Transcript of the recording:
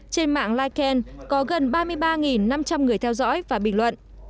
trên mạng liken có gần ba mươi ba năm trăm linh người theo dõi và bình luận